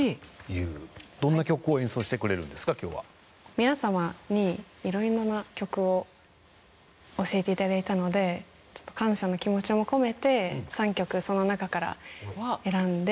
皆様に色々な曲を教えて頂いたので感謝の気持ちも込めて３曲その中から選んで。